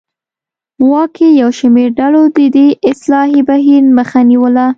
واک کې یو شمېر ډلو د دې اصلاحي بهیر مخه نیوله.